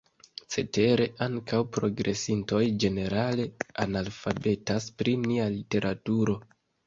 Cetere, ankaŭ progresintoj ĝenerale analfabetas pri nia literaturo.